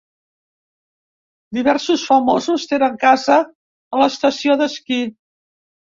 Diversos famosos tenen casa a l'estació d'esquí.